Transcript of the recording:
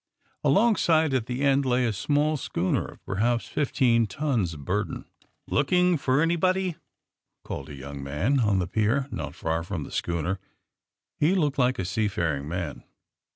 Alongside, at the end, lay a small schooner of perhaps fifteen tons bur den. *^ Looking for anybody?" called a young man on the pier not far from the schooner. He looked like a seafaring man.